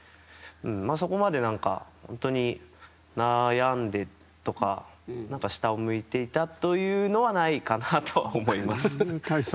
そこまで悩んでとか下を向いていたというのはないかなとは思います。